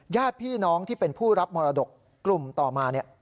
ญาติพี่น้องที่เป็นผู้รับมรดกกลุ่มต่อมาเนี่ย